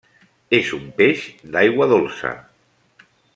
És un peix d'aigua dolça.